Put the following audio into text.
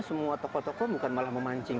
semua tokoh tokoh bukan malah memancing